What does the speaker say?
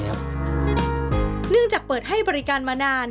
เนื่องจากเปิดให้บริการมานาน